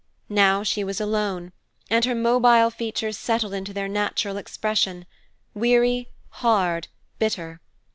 Now she was alone, and her mobile features settled into their natural expression, weary, hard, bitter.